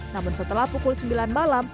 namun setelah pukul sembilan malam